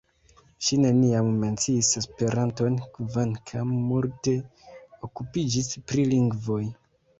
Ŝi neniam menciis Esperanton, kvankam multe okupiĝis pri lingvoj.